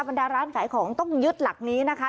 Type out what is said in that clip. บรรดาร้านขายของต้องยึดหลักนี้นะคะ